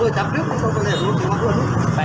เฮียกิสเชี้ยงกันแบบนี้เลยนะฮะ